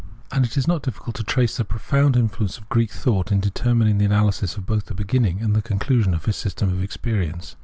And it is not difficult to trace the profound influence of Greek thought in determin;[ng the analysis of both the beginning and the conclusijon of his system of experience.